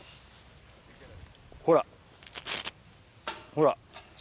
ほらほら。